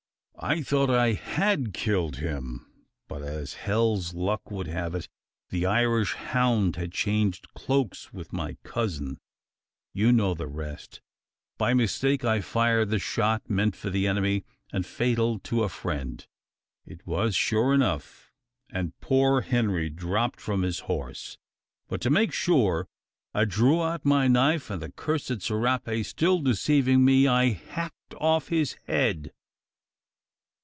"I thought I had killed him; but, as hell's luck would have it, the Irish hound had changed cloaks with my cousin. "You know the rest. By mistake I fired the shot meant for an enemy, and fatal to a friend. It was sure enough; and poor Henry dropped from his horse. But to make more sure, I drew out my knife; and the cursed serape still deceiving me, I hacked off his head."